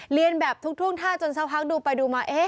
เรียนแบบทุกท่าจนซักพักดูไปดูมาเอ๊ะ